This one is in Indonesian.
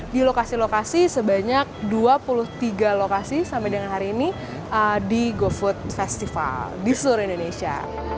di lokasi lokasi sebanyak dua puluh tiga lokasi sampai dengan hari ini di gofood festival di seluruh indonesia